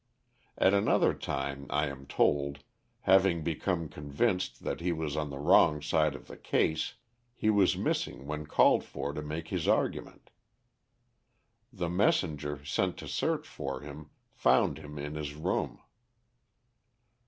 At another time, I am told, having become convinced that he was on the wrong side of the case, he was missing when called for to make his argument. The messenger, sent to search for him, found him in his room.